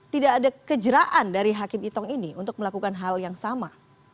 tidak ada kejeraan dari hakim itong ini untuk melakukan hal yang sama